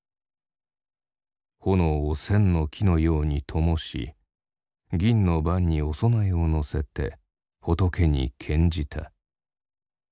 「炎を千の樹のようにともし銀の盤にお供えをのせて仏に献じた」。